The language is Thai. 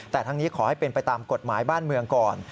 แต่ทั้งนี้ขอให้เป็นไปตามกฎหมายบ้านเมืองก่อน